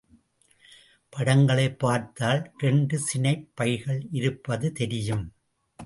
படங்களைப் பார்த்தால், இரண்டு சினைப் பைகள் இருப்பது தெரியும்.